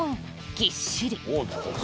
ぎっしり。